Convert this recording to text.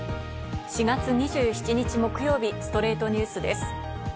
４月２７日、木曜日『ストレイトニュース』です。